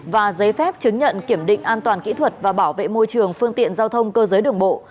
và giấy phép chứng nhận kiểm định an toàn kỹ thuật và bảo vệ môi trường phương tiện giao thông cơ giới đường bộ